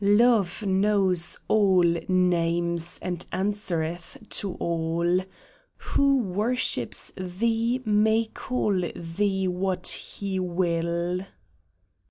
Love knows all names and answereth to all — Who worships Thee may call Thee what he will